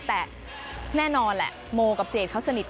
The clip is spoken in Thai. แต่แน่นอนแหละโมกับเจดเขาสนิท